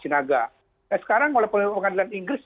nah sekarang kalau pengadilan inggris